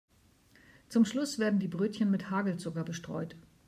Zum Schluss werden die Brötchen mit Hagelzucker bestreut.